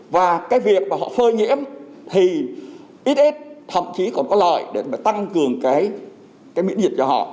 và cái việc mà họ phơi nhiễm thì ít thậm chí còn có lợi để mà tăng cường cái miễn dịch cho họ